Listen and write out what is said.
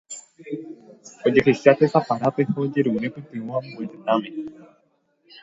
Ojehecha tesaparápe ha ojerure pytyvõ ambue tetãme.